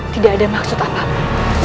tidak ada maksud apa apa